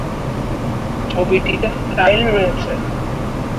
ছবিটিতে স্টাইল রয়েছে।